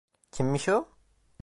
Kimmiş o?